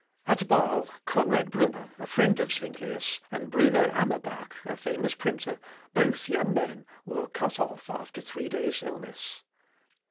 At Bâle Conrad Brunner, a friend of Zuinglius, and Bruno Amerbach, a famous printer, both young men, were cut off after three days' illness.